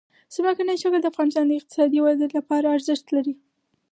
ځمکنی شکل د افغانستان د اقتصادي ودې لپاره ارزښت لري.